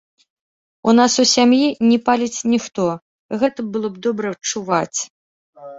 У нас у сям'і не паліць ніхто, гэта было б добра чуваць.